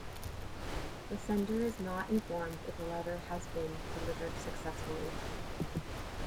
The sender is not informed if a letter has been delivered successfully.